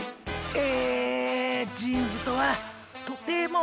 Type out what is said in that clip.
え